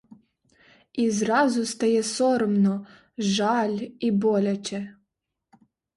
І зразу стає соромно, жаль і боляче.